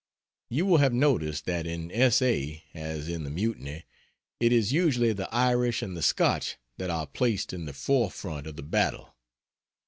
You will have noticed that in S. A. as in the Mutiny, it is usually the Irish and the Scotch that are placed in the fore front of the battle.